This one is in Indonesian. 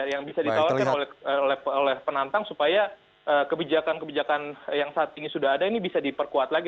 yang bisa ditawarkan oleh penantang supaya kebijakan kebijakan yang saat ini sudah ada ini bisa diperkuat lagi